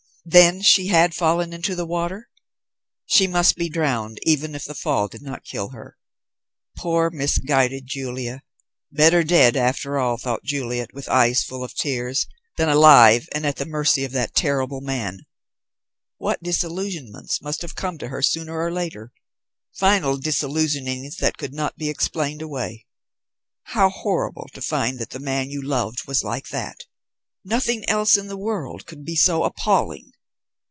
Then she had fallen into the water? She must be drowned even if the fall did not kill her. Poor, misguided Julia. Better dead, after all, thought Juliet, with eyes full of tears, than alive, and at the mercy of that terrible man. What disillusionments must have come to her sooner or later; final disillusionings that could not be explained away. How horrible to find that the man you loved was like that. Nothing else in the world could be so appalling.